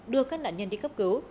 đưa các nạn nhân đi cấp cứu